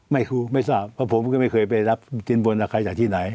ไม่รู้ไม่ทราบเพราะผมก็ไม่เคยไปรับติดสินบนอาการในที่ไหน